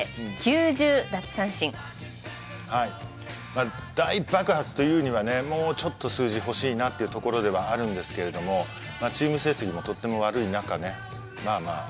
まあ大爆発というにはねもうちょっと数字欲しいなってところではあるんですけれどもまあチーム成績もとっても悪い中ねまあまあ